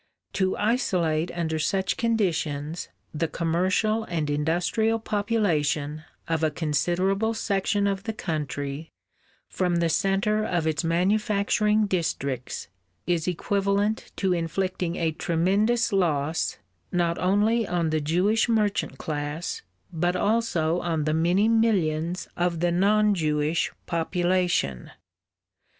To isolate under such conditions, the commercial and industrial population of a considerable section of the country from the centre of its manufacturing districts is equivalent to inflicting a tremendous loss not only on the Jewish merchant class but also on the many millions of the non Jewish population....